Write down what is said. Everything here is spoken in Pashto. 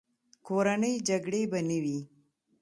کورنۍ جګړې به نه وې.